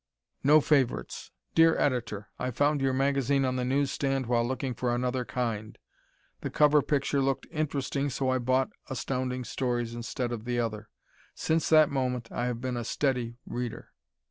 "No Favorites" Dear Editor: I found your magazine on the newsstand while looking for another kind. The cover picture looked interesting so I bought Astounding Stories instead of the other. Since that moment I have been a steady reader.